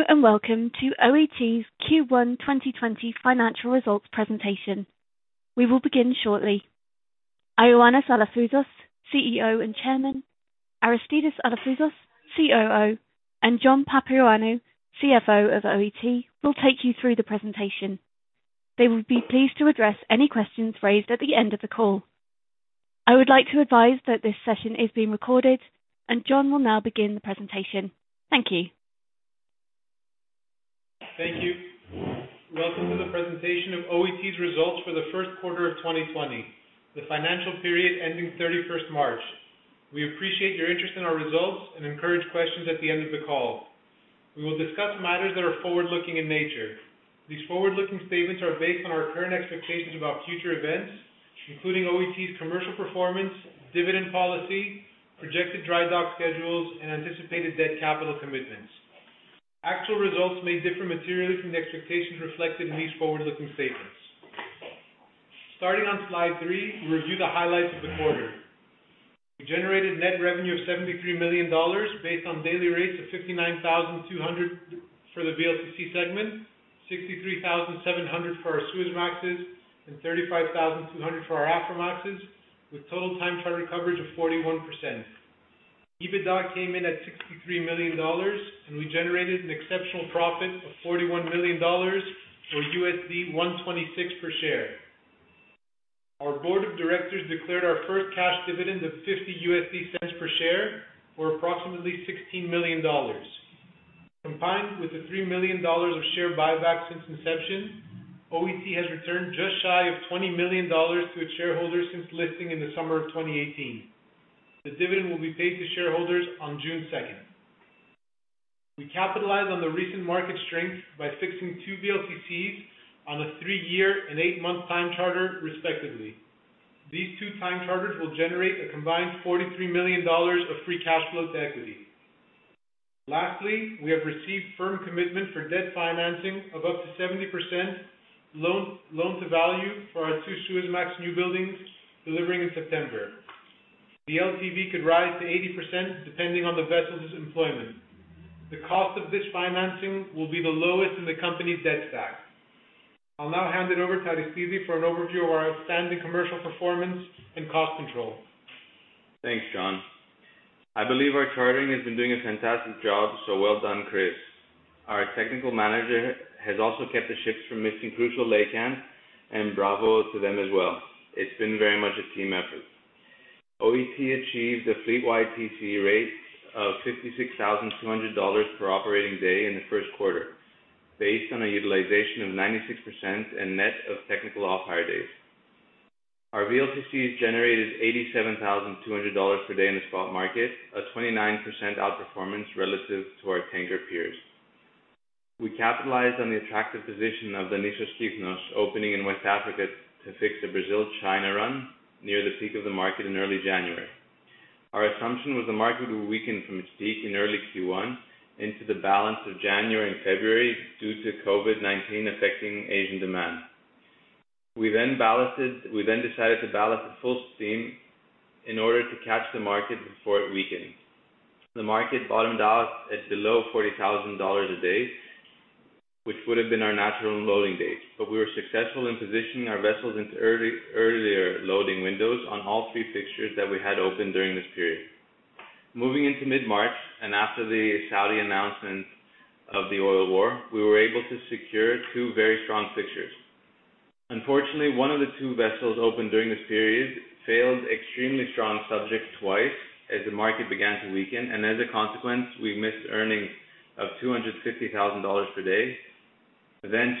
Hello and welcome to OET's Q1 2020 financial results presentation. We will begin shortly. Ioannis Alafouzos, CEO and Chairman, Aristidis Alafouzos, COO, and John Papaioannou, CFO of OET, will take you through the presentation. They will be pleased to address any questions raised at the end of the call. I would like to advise that this session is being recorded, and John will now begin the presentation. Thank you. Thank you. Welcome to the presentation of OET's results for the first quarter of 2020, the financial period ending 31st March. We appreciate your interest in our results and encourage questions at the end of the call. We will discuss matters that are forward-looking in nature. These forward-looking statements are based on our current expectations about future events, including OET's commercial performance, dividend policy, projected dry dock schedules, and anticipated debt capital commitments. Actual results may differ materially from the expectations reflected in these forward-looking statements. Starting on slide three, we'll review the highlights of the quarter. We generated net revenue of $73 million based on daily rates of $59,200 for the VLCC segment, $63,700 for our Suezmaxes, and $35,200 for our Aframaxes, with total time charter coverage of 41%. EBITDA came in at $63 million, and we generated an exceptional profit of $41 million or $126 per share. Our board of directors declared our first cash dividend of $50 per share for approximately $16 million. Combined with the $3 million of share buyback since inception, OET has returned just shy of $20 million to its shareholders since listing in the summer of 2018. The dividend will be paid to shareholders on June 2nd. We capitalized on the recent market strength by fixing two VLCCs on a three-year and eight-month time charter, respectively. These two time charters will generate a combined $43 million of free cash flow to equity. Lastly, we have received firm commitment for debt financing of up to 70% loan-to-value for our two Suezmax new buildings delivering in September. The LTV could rise to 80% depending on the vessel's employment. The cost of this financing will be the lowest in the company's debt stack. I'll now hand it over to Aristidis for an overview of our outstanding commercial performance and cost control. Thanks, John. I believe our chartering has been doing a fantastic job, so well done, Chris. Our technical manager has also kept the ships from missing crucial laycans, and bravo to them as well. It's been very much a team effort. OET achieved a fleet-wide TCE rate of $56,200 per operating day in the first quarter based on a utilization of 96% and net of technical off-hire days. Our VLCCs generated $87,200 per day in the spot market, a 29% outperformance relative to our tanker peers. We capitalized on the attractive position of Nissos Kythnos opening in West Africa to fix a Brazil-China run near the peak of the market in early January. Our assumption was the market would weaken from its peak in early Q1 into the balance of January and February due to COVID-19 affecting Asian demand. We then decided to ballast at full steam in order to catch the market before it weakened. The market bottomed out at below $40,000 a day, which would have been our natural loading date, but we were successful in positioning our vessels into earlier loading windows on all three fixtures that we had open during this period. Moving into mid-March and after the Saudi announcement of the oil war, we were able to secure two very strong fixtures. Unfortunately, one of the two vessels opened during this period failed extremely strong subjects twice as the market began to weaken, and as a consequence, we missed earnings of $250,000 per day, then $200,000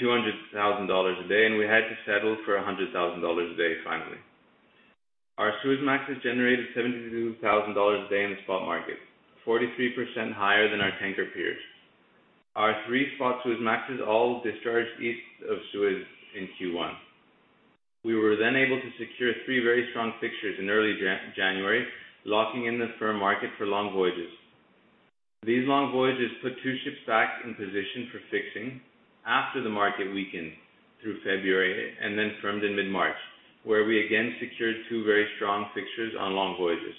a day, and we had to settle for $100,000 a day finally. Our Suezmaxes generated $72,000 a day in the spot market, 43% higher than our tanker peers. Our three spot Suezmaxes all discharged east of Suez in Q1. We were then able to secure three very strong fixtures in early January, locking in the firm market for long voyages. These long voyages put two ships back in position for fixing after the market weakened through February and then firmed in mid-March, where we again secured two very strong fixtures on long voyages.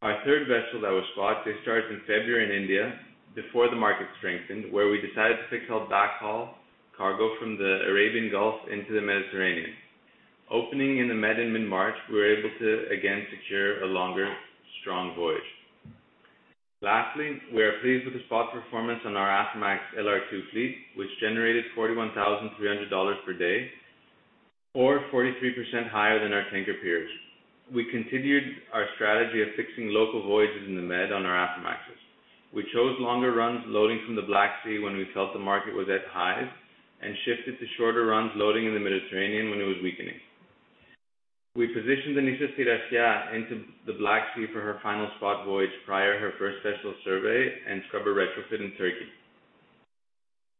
Our third vessel that was spot discharged in February in India before the market strengthened, where we decided to fix a backhaul cargo from the Arabian Gulf into the Mediterranean. Opening in the Med in mid-March, we were able to again secure a longer, strong voyage. Lastly, we are pleased with the spot performance on our Aframax LR2 fleet, which generated $41,300 per day or 43% higher than our tanker peers. We continued our strategy of fixing local voyages in the Med on our Aframaxes. We chose longer runs loading from the Black Sea when we felt the market was at highs and shifted to shorter runs loading in the Mediterranean when it was weakening. We positioned Nissos Schinoussa into the Black Sea for her final spot voyage prior to her first vessel survey and scrubber retrofit in Turkey.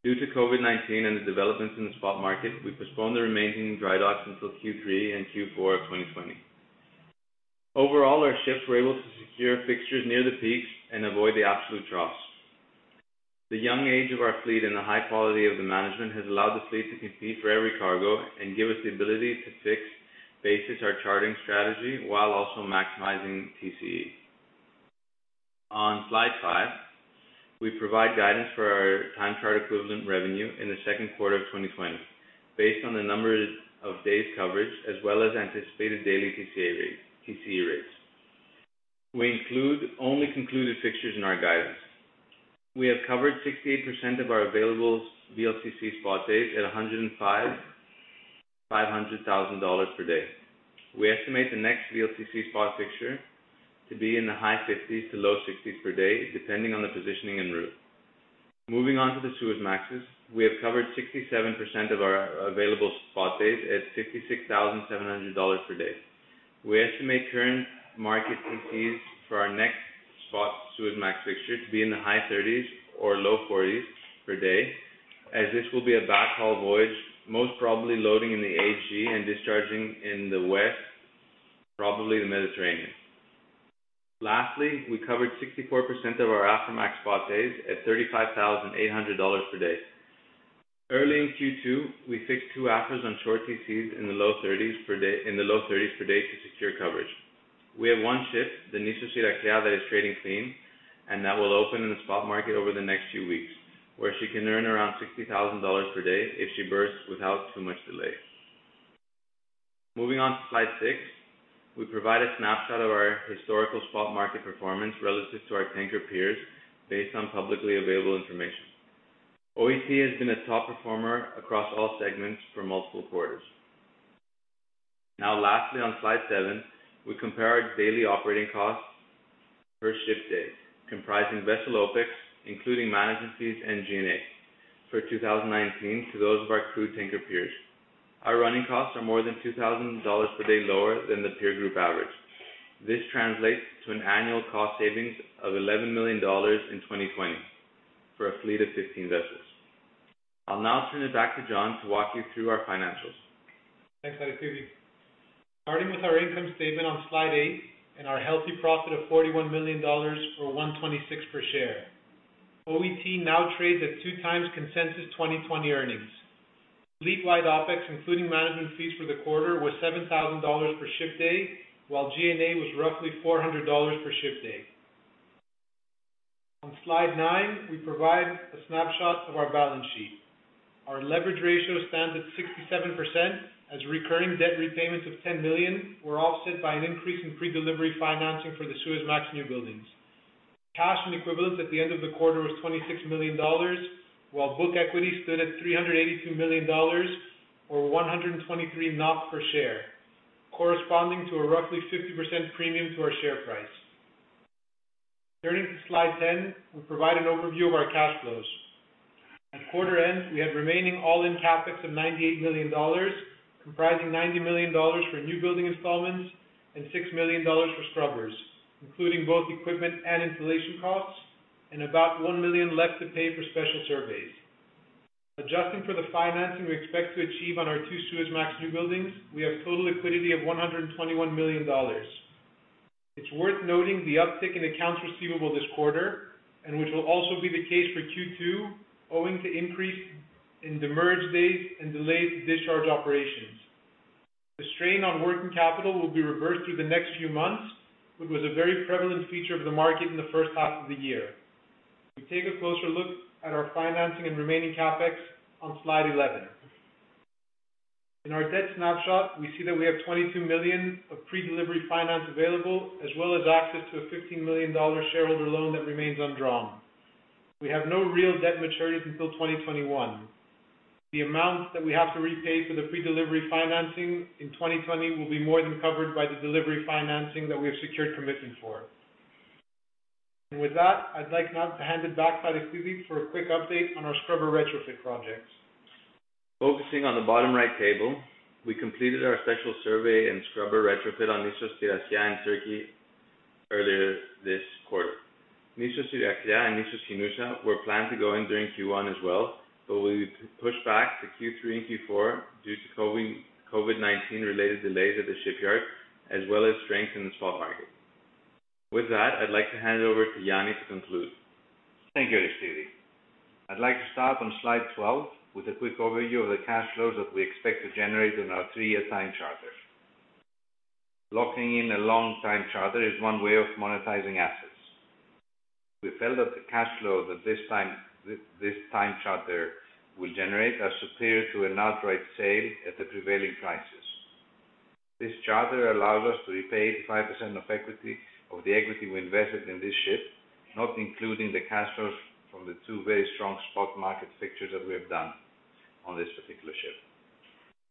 Due to COVID-19 and the developments in the spot market, we postponed the remaining dry docks until Q3 and Q4 of 2020. Overall, our ships were able to secure fixtures near the peaks and avoid the absolute troughs. The young age of our fleet and the high quality of the management has allowed the fleet to compete for every cargo and give us the ability to fix basis our chartering strategy while also maximizing TCE. On slide five, we provide guidance for our time charter equivalent revenue in the second quarter of 2020 based on the number of days coverage as well as anticipated daily TCE rates. We include only concluded fixtures in our guidance. We have covered 68% of our available VLCC spot days at $105,500 per day. We estimate the next VLCC spot fixture to be in the high 50s to low 60s per day depending on the positioning and route. Moving on to the Suezmaxes, we have covered 67% of our available spot days at $56,700 per day. We estimate current market TCEs for our next spot Suezmax fixture to be in the high 30s or low 40s per day as this will be a backhaul voyage most probably loading in the Aegean and discharging in the west, probably the Mediterranean. Lastly, we covered 64% of our Aframax spot days at $35,800 per day. Early in Q2, we fixed two Aframaxes on short TCEs in the low 30s per day to secure coverage. We have one ship, Nissos Schinoussa, that is trading clean and that will open in the spot market over the next few weeks where she can earn around $60,000 per day if she berths without too much delay. Moving on to slide six, we provide a snapshot of our historical spot market performance relative to our tanker peers based on publicly available information. OET has been a top performer across all segments for multiple quarters. Now, lastly on slide seven, we compare our daily operating costs per ship day comprising vessel OPEX, including management fees and G&A for 2019 to those of our crude tanker peers. Our running costs are more than $2,000 per day lower than the peer group average. This translates to an annual cost savings of $11 million in 2020 for a fleet of 15 vessels. I'll now turn it back to John to walk you through our financials. Thanks, Aristidis. Starting with our income statement on slide eight and our healthy profit of $41 million or $1.26 per share. OET now trades at two times consensus 2020 earnings. Fleet-wide O, including management fees for the quarter, was $7,000 per ship day while G&A was roughly $400 per ship day. On slide nine, we provide a snapshot of our balance sheet. Our leverage ratio stands at 67% as recurring debt repayments of $10 million were offset by an increase in pre-delivery financing for the Suezmax new buildings. Cash and equivalents at the end of the quarter was $26 million while book equity stood at $382 million or 12.3 NOK per share, corresponding to a roughly 50% premium to our share price. Turning to slide 10, we provide an overview of our cash flows. At quarter end, we had remaining all-in CapEx of $98 million comprising $90 million for new building installments and $6 million for scrubbers, including both equipment and installation costs and about $1 million left to pay for special surveys. Adjusting for the financing we expect to achieve on our two Suezmax new buildings, we have total liquidity of $121 million. It's worth noting the uptick in accounts receivable this quarter, which will also be the case for Q2, owing to increase in demurrage days and delayed discharge operations. The strain on working capital will be reversed through the next few months, which was a very prevalent feature of the market in the first half of the year. We take a closer look at our financing and remaining CapEx on slide 11. In our debt snapshot, we see that we have $22 million of pre-delivery finance available as well as access to a $15 million shareholder loan that remains undrawn. We have no real debt maturities until 2021. The amount that we have to repay for the pre-delivery financing in 2020 will be more than covered by the delivery financing that we have secured commitment for. And with that, I'd like now to hand it back to Aristidis for a quick update on our scrubber retrofit projects. Focusing on the bottom right table, we completed our special survey and scrubber retrofit on Nissos Schinoussa in Turkey earlier this quarter. Nissos Schinoussa and Nissos Kythnos were planned to go in during Q1 as well, but we pushed back to Q3 and Q4 due to COVID-19 related delays at the shipyard as well as strength in the spot market. With that, I'd like to hand it over to Yannis to conclude. Thank you, Aristidis. I'd like to start on slide 12 with a quick overview of the cash flows that we expect to generate on our three-year time charter. Locking in a long time charter is one way of monetizing assets. We felt that the cash flow that this time charter will generate are superior to an outright sale at the prevailing prices. This charter allows us to repay 85% of the equity we invested in this ship, not including the cash flows from the two very strong spot market fixtures that we have done on this particular ship.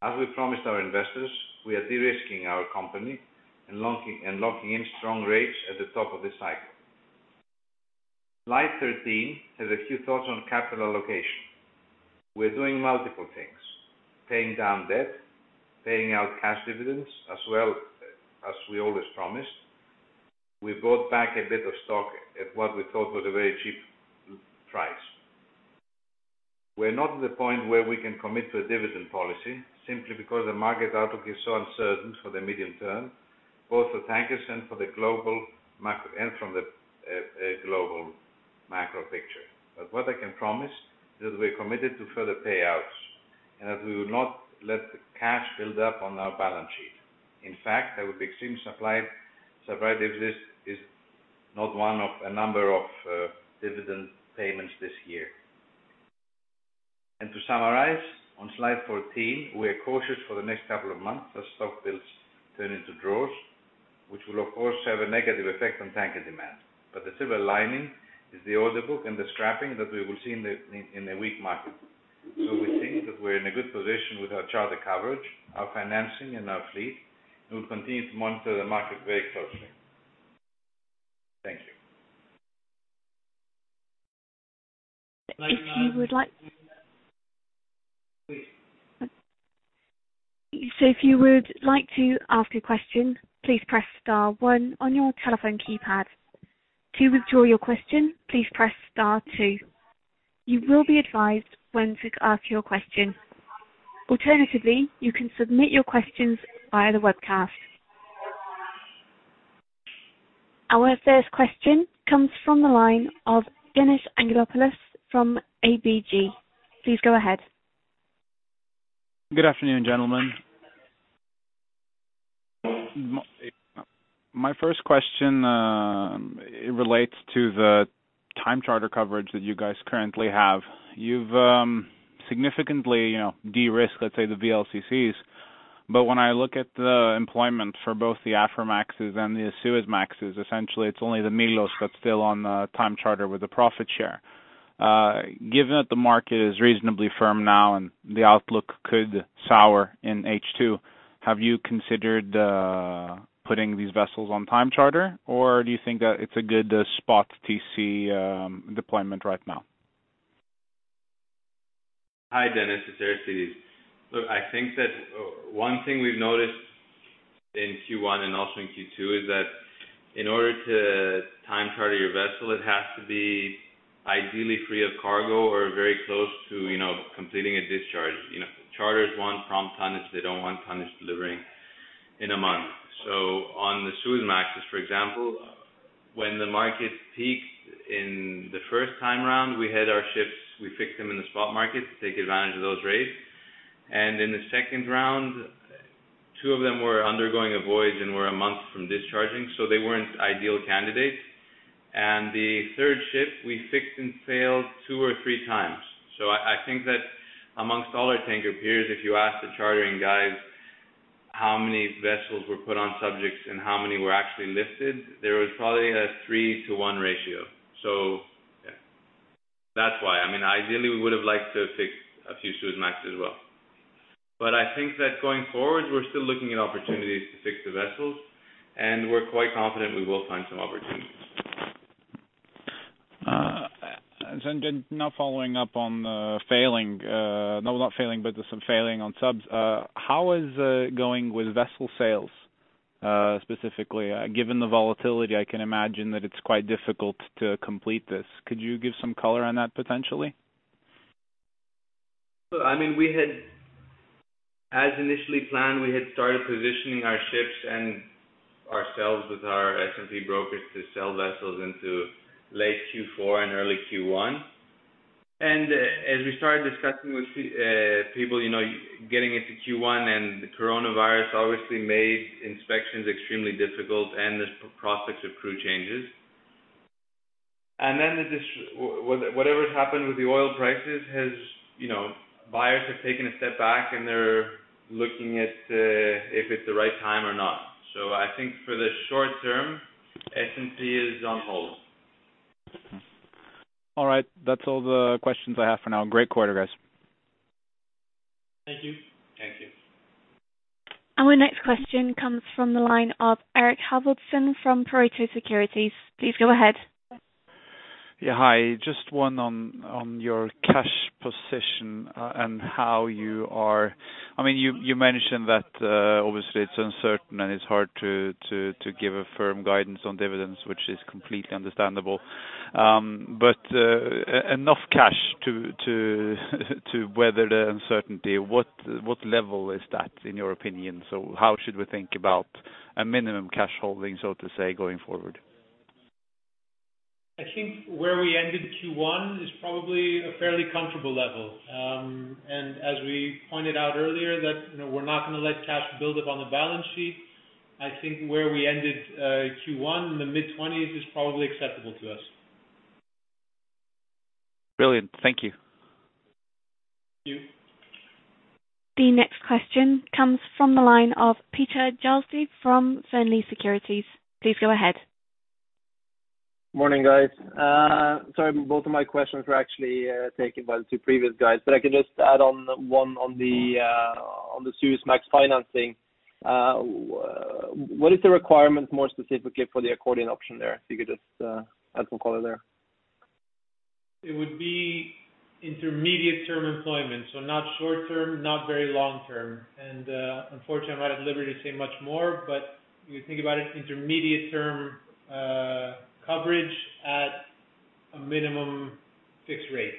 As we promised our investors, we are de-risking our company and locking in strong rates at the top of this cycle. Slide 13 has a few thoughts on capital allocation. We are doing multiple things: paying down debt, paying out cash dividends as well as we always promised. We bought back a bit of stock at what we thought was a very cheap price. We're not at the point where we can commit to a dividend policy simply because the market outlook is so uncertain for the medium term, both for tankers and from the global macro picture. But what I can promise is that we're committed to further payouts and that we will not let the cash build up on our balance sheet. In fact, I would be extremely surprised if this is not one of a number of dividend payments this year. To summarize, on slide 14, we are cautious for the next couple of months as stock builds turn into draws, which will of course have a negative effect on tanker demand. The silver lining is the order book and the scrapping that we will see in the weak market. We think that we're in a good position with our charter coverage, our financing, and our fleet. We'll continue to monitor the market very closely. Thank you. If you would like to. Please. So if you would like to ask a question, please press star one on your telephone keypad. To withdraw your question, please press star two. You will be advised when to ask your question. Alternatively, you can submit your questions via the webcast. Our first question comes from the line of Dannis Anghelopoulos fr om ABG. Please go ahead. Good afternoon, gentlemen. My first question, it relates to the time charter coverage that you guys currently have. You've significantly de-risked, let's say, the VLCCs. But when I look at the employment for both the Aframaxes and the Suezmaxes, essentially it's only the Milos that's still on the time charter with the profit share. Given that the market is reasonably firm now and the outlook could sour in H2, have you considered putting these vessels on time charter or do you think that it's a good spot TC deployment right now? Hi, Danis. It's Aristidis. Look, I think that one thing we've noticed in Q1 and also in Q2 is that in order to time charter your vessel, it has to be ideally free of cargo or very close to completing a discharge. Charters want prompt tonnage. They don't want tonnage delivering in a month. So on the Suezmaxes, for example, when the market peaked in the first time round, we had our ships. We fixed them in the spot market to take advantage of those rates. And in the second round, two of them were undergoing a voyage and were a month from discharging, so they weren't ideal candidates. And the third ship, we fixed and failed two or three times. So I think that among all our tanker peers, if you ask the chartering guys how many vessels were put on subjects and how many were actually lifted, there was probably a three to one ratio. So that's why. I mean, ideally, we would have liked to have fixed a few Suezmaxes as well. But I think that going forward, we're still looking at opportunities to fix the vessels, and we're quite confident we will find some opportunities. Now following up on failing—no, not failing, but some failing on subs—how is it going with vessel sales specifically? Given the volatility, I can imagine that it's quite difficult to complete this. Could you give some color on that potentially? I mean, as initially planned, we had started positioning our ships and ourselves with our S&P brokers to sell vessels into late Q4 and early Q1. And as we started discussing with people, getting into Q1 and the coronavirus obviously made inspections extremely difficult and the prospects of crew changes. And then whatever's happened with the oil prices, buyers have taken a step back, and they're looking at if it's the right time or not. So I think for the short term, S&P is on hold. All right. That's all the questions I have for now. Great quarter, guys. Thank you. Thank you. Our next question comes from the line of Eirik Haavaldsen from Pareto Securities. Please go ahead. Yeah, hi. Just one on your cash position and how you are, I mean, you mentioned that obviously it's uncertain and it's hard to give a firm guidance on dividends, which is completely understandable. But enough cash to weather the uncertainty, what level is that in your opinion? So how should we think about a minimum cash holding, so to say, going forward? I think where we ended Q1 is probably a fairly comfortable level, and as we pointed out earlier, that we're not going to let cash build up on the balance sheet. I think where we ended Q1 in the mid-20s is probably acceptable to us. Brilliant. Thank you. Thank you. The next question comes from the line of Peder Jarlsby from Fearnley Securities. Please go ahead. Morning, guys. Sorry, both of my questions were actually taken by the two previous guys, but I can just add on one on the Suezmax financing. What is the requirement more specifically for the accordion option there? If you could just add some color there. It would be intermediate-term employment. So not short term, not very long term. And unfortunately, I'm not at liberty to say much more, but you think about it as intermediate-term coverage at a minimum fixed rate.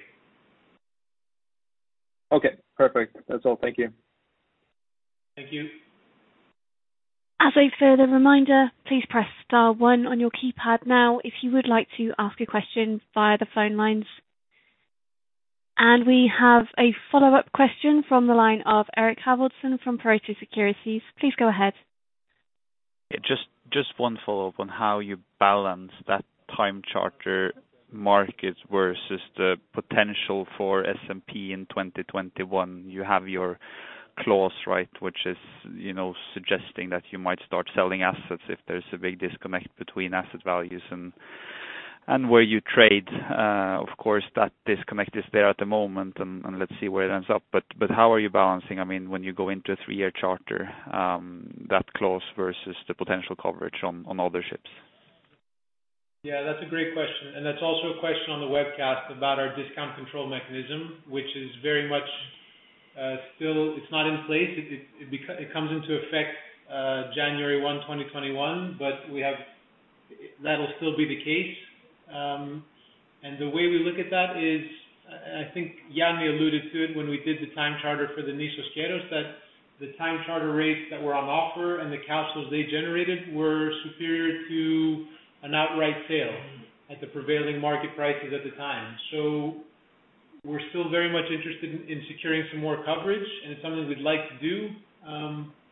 Okay. Perfect. That's all. Thank you. Thank you. As a further reminder, please press star one on your keypad now if you would like to ask a question via the phone lines. And we have a follow-up question from the line of Eirik Haavaldsen from Pareto Securities. Please go ahead. Just one follow-up on how you balance that time charter market versus the potential for S&P in 2021. You have your clause, right, which is suggesting that you might start selling assets if there's a big disconnect between asset values and where you trade. Of course, that disconnect is there at the moment, and let's see where it ends up. But how are you balancing, I mean, when you go into a three-year charter, that clause versus the potential coverage on other ships? Yeah, that's a great question, and that's also a question on the webcast about our Discount Control Mechanism, which is very much still, it's not in place. It comes into effect January 1, 2021, but that'll still be the case, and the way we look at that is, and I think Yannis alluded to it when we did the time charter for the Nissos Schinoussa, that the time charter rates that were on offer and the cash flows they generated were superior to an outright sale at the prevailing market prices at the time, so we're still very much interested in securing some more coverage, and it's something we'd like to do,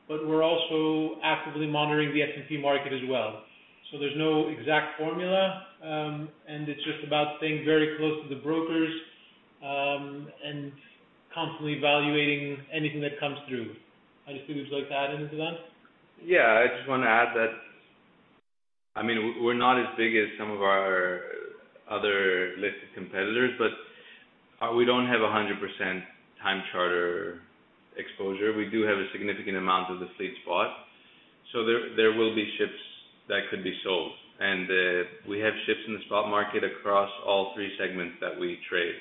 but we're also actively monitoring the S&P market as well, so there's no exact formula, and it's just about staying very close to the brokers and constantly evaluating anything that comes through. Aristidis, would you like to add anything to that? Yeah. I just want to add that, I mean, we're not as big as some of our other listed competitors, but we don't have 100% time charter exposure. We do have a significant amount of the fleet spot. So there will be ships that could be sold. And we have ships in the spot market across all three segments that we trade.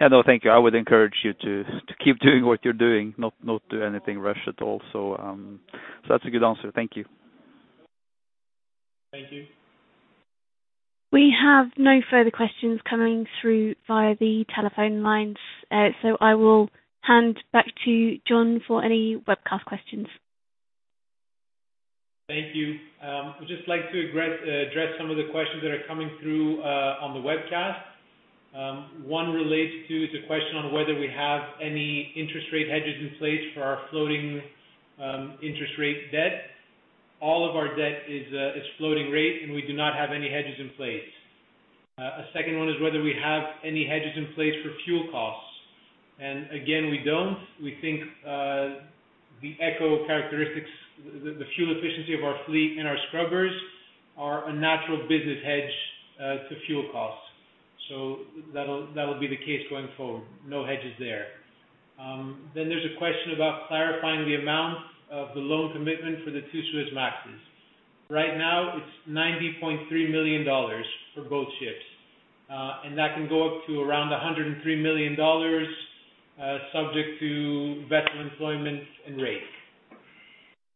Yeah, no, thank you. I would encourage you to keep doing what you're doing, not do anything rushed at all. So that's a good answer. Thank you. Thank you. We have no further questions coming through via the telephone lines. So I will hand back to John for any webcast questions. Thank you. I'd just like to address some of the questions that are coming through on the webcast. One relates to the question on whether we have any interest rate hedges in place for our floating interest rate debt. All of our debt is floating rate, and we do not have any hedges in place. A second one is whether we have any hedges in place for fuel costs, and again, we don't. We think the eco characteristics, the fuel efficiency of our fleet and our scrubbers are a natural business hedge to fuel costs, so that'll be the case going forward. No hedges there, then there's a question about clarifying the amount of the loan commitment for the two Suezmaxes. Right now, it's $90.3 million for both ships, and that can go up to around $103 million, subject to vessel employment and rate.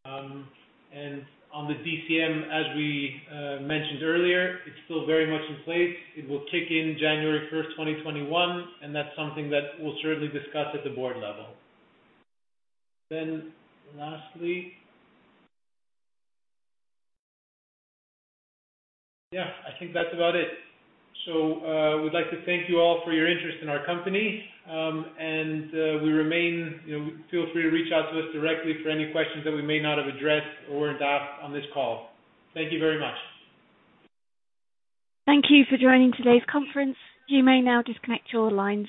On the DCM, as we mentioned earlier, it's still very much in place. It will kick in January 1, 2021, and that's something that we'll certainly discuss at the board level. Then lastly. Yeah, I think that's about it. We'd like to thank you all for your interest in our company. And we remain. Feel free to reach out to us directly for any questions that we may not have addressed or weren't asked on this call. Thank you very much. Thank you for joining today's conference. You may now disconnect your lines.